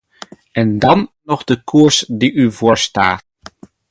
En dan is er nog de koers die u voorstaat.